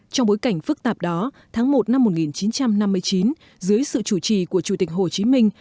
trong bối cảnh phức tạp đó tháng một năm một nghìn chín trăm năm mươi chín dưới sự chủ trì của chủ tịch hồ chí minh